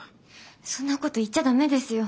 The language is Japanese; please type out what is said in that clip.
そんなこと言っちゃダメですよ。